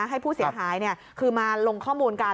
ให้ผู้เสียหายคือมาลงข้อมูลกัน